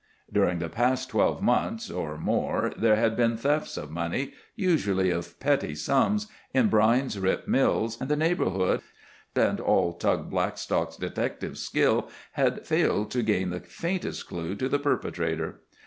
During the past twelve months or more there had been thefts of money, usually of petty sums, in Brine's Rip Mills and the neighbourhood, and all Tug Blackstock's detective skill had failed to gain the faintest clue to the perpetrator.